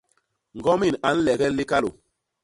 Ñgomin a nlegel likalô.